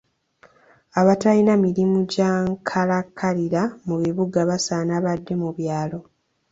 Abatalina mirimu gya nkalakkalira mu bibuga basaana badde mu byalo.